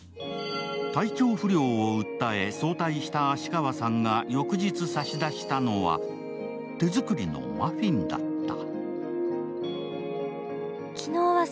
体調不良を訴え早退した芦川さんが翌日差し出したのは手づくりのマフィンだった。